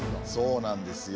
そうなんですよ。